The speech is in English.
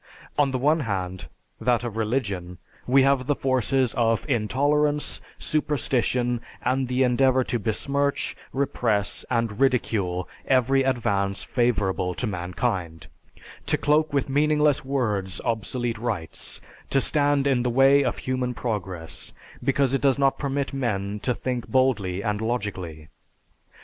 On the one hand, that of religion, we have the forces of intolerance, superstition, and the endeavor to besmirch, repress, and ridicule every advance favorable to mankind; to cloak with meaningless words obsolete rites, to stand in the way of human progress, because it does not permit men to think boldly and logically.